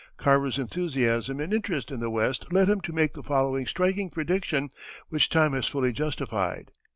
Carver's enthusiasm and interest in the West led him to make the following striking prediction, which time has fully justified.